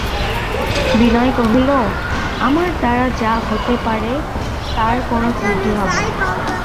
বিনয় কহিল, আমার দ্বারা যা হতে পারে তার কোনো ত্রুটি হবে না।